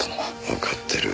わかってる。